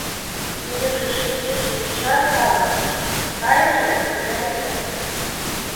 Тудыжо шинчыш-шинчышат, каласыш: «Кайыже, тунемже.